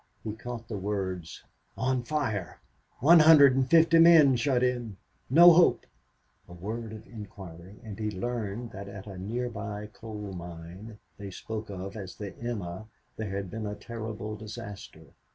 He caught the words, "On fire." "One hundred and fifty men shut in." "No hope." A word of inquiry and he learned that at a near by coal mine, they spoke of as the "Emma," there had been a terrible disaster.